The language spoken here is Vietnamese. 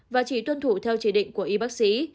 và chỉ tuân thủ theo chỉ định của y bác sĩ